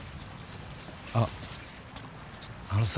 あっあのさ。